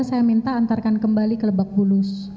saya minta antarkan kembali ke lebak bulus